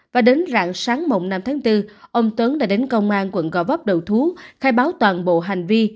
và đến rạng sáng năm tháng bốn ông tuấn đã đến công an quận gò vấp đầu thú khai báo toàn bộ hành vi